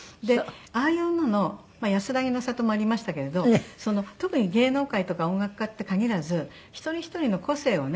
ああいうのの『やすらぎの郷』もありましたけれど特に芸能界とか音楽家って限らず一人ひとりの個性をね